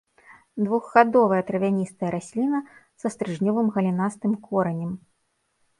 Двухгадовая травяністая расліна са стрыжнёвым галінастым коранем.